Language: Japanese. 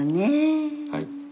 はい。